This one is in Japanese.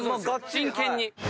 真剣に。